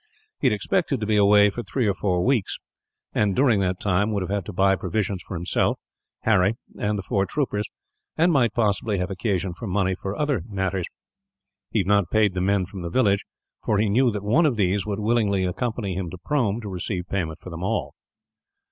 He had expected to be away for three or four weeks and, during that time, would have had to buy provisions for himself, Harry, and the four troopers; and might possibly have occasion for money for other matters. He had not paid the men from the village, for he knew that one of these would willingly accompany him to Prome, to receive payment for them all.